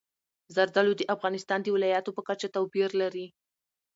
زردالو د افغانستان د ولایاتو په کچه توپیر لري.